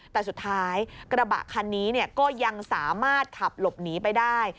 แต่สุดท้ายกระบะคันนี้ก็ยังสามารถขับหลบหนีไปได้